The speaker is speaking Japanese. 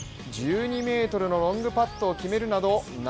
１２ｍのロングパットを決めるなど